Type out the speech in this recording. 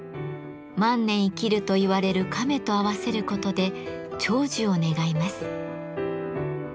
万年生きるといわれる亀と合わせることで長寿を願います。